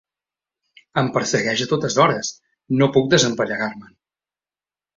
Em persegueix a totes hores: no puc desempallegar-me'n.